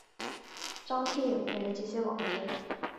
张贴影片写写网志